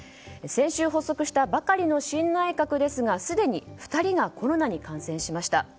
先週発足したばかりの新内閣ですがすでに２人がコロナに感染しました。